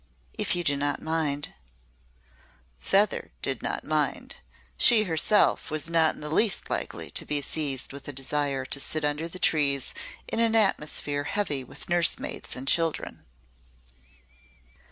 If you do not mind " Feather did not mind. She herself was not in the least likely to be seized with a desire to sit under trees in an atmosphere heavy with nursemaids and children.